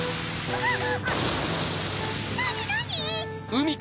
あっ！